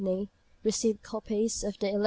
receive copies of the 11 A.